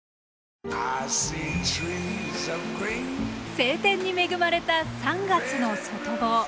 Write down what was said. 晴天に恵まれた３月の外房。